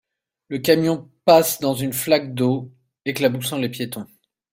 Le camion passe dans une flaque d'eau, éclaboussant les piétons